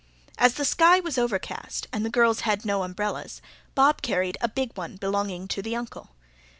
As the sky was overcast and the girls had no umbrellas, Bob carried a big one belonging to the Uncle.